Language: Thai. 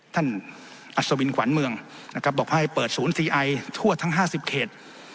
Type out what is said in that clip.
อัศวินขวัญเมืองนะครับบอกให้เปิดศูนย์ซีไอทั่วทั้ง๕๐เขต